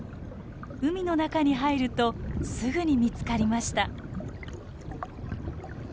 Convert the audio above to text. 海の中に入るとすぐに見つかりました。